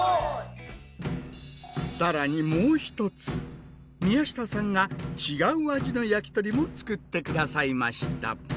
更にもう一つ宮下さんが違う味の焼き鳥も作って下さいました。